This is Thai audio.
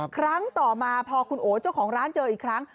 ครั้งต่อมาพอคุณโอเจ้าของร้านเจออีกครั้ง